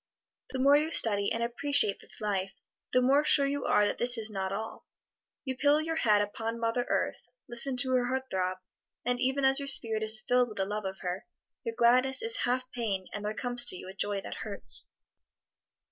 The more you study and appreciate this life, the more sure you are that this is not all. You pillow your head upon Mother Earth, listen to her heart throb, and even as your spirit is filled with the love of her, your gladness is half pain and there comes to you a joy that hurts.